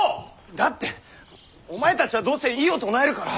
だってお前たちはどうせ異を唱えるから。